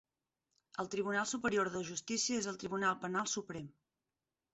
El Tribunal Superior de Justícia és el tribunal penal suprem.